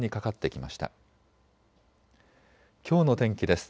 きょうの天気です。